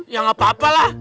ya nggak apa apa lah